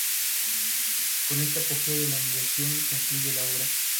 Con este apogeo de la humillación concluye la obra.